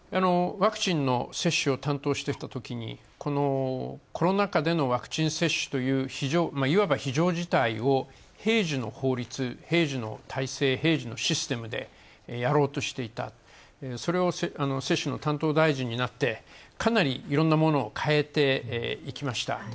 ワクチンの接種を担当しているときに、コロナ禍でのワクチン接種といういわば非常事態を、平時の法律、平時の体制、平時のシステムでやろうとしていたそれを接種の担当大臣になってかなりいろんなものを変えていきました。